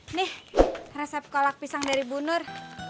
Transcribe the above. ini resep kolak pisang dari bu nur